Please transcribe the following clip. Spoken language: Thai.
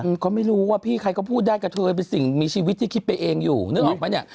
อืมก็ไม่รู้ว่าพี่ใครก็พูดได้กับเธอเป็นสิ่งมีชีวิตที่คิดไปเองอยู่เนื่องหรอปะเนี้ย